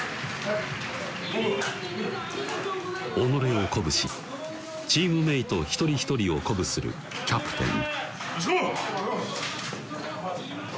己を鼓舞しチームメート一人一人を鼓舞するキャプテンよしいこう！